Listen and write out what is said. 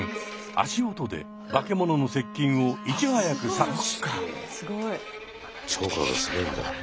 足音で化け物の接近をいち早く察知。